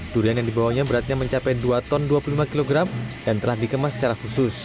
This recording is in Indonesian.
durian yang dibawanya beratnya mencapai dua ton dua puluh lima kg dan telah dikemas secara khusus